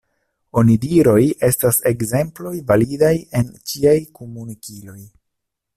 Onidiroj estas ekzemploj validaj en ĉiaj komunikiloj.